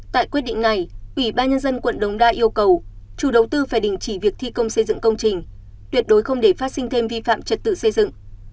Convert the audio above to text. tại quyết định này ủy ban nhân dân quận đồng đa yêu cầu chủ đầu tư phải đình chỉ việc thi công xây dựng công trình tuyệt đối không để phát sinh thêm vi phạm trật tự xây dựng